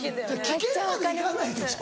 危険までいかないでしょ？